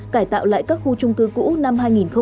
cải tạo lại các khu trung cư cũ năm hai nghìn hai mươi